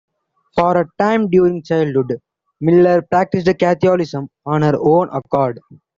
For a time during childhood, Miller practiced Catholicism on her own accord.